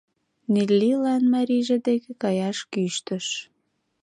Неллилан марийже деке каяш кӱштыш.